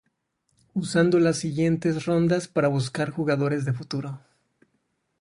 Usando las siguientes rondas para buscar jugadores de futuro.